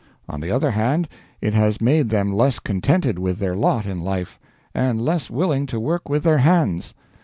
On the other hand, it has made them less contented with their lot in life, and less willing to work with their hands.